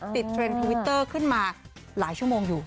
เทรนด์ทวิตเตอร์ขึ้นมาหลายชั่วโมงอยู่